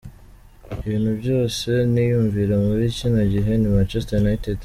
"Ibintu vyose niyumvira muri kino gihe ni Manchester United.